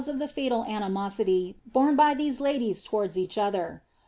of the fatal animosity borne by these ladies towards each other.